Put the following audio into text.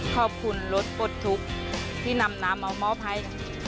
ขอบคุณรถปลดทุกข์ที่นำน้ำมามอบให้